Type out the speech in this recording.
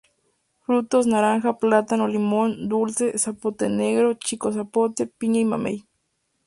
Frutos: naranja, plátano, limón dulce, zapote negro, chico zapote, piña y mamey.